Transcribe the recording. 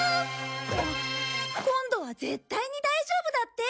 今度は絶対に大丈夫だって！